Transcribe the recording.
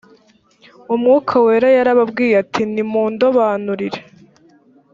umwuka wera yarababwiye ati mundobanurire